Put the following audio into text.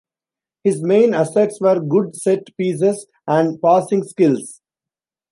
His main assets were good set pieces and passing skills.